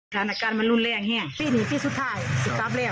การณการมันรุนแรงเนี่ยปีนี้ปีสุดท้าย๑๙แล้ว